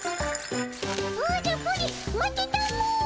おじゃプリン待ってたも。